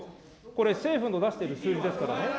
これ、政府の出してる数字ですからね。